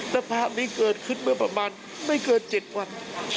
แต่ภาพนี้เกิดขึ้นเมื่อประมาณไม่เกิน๗วัน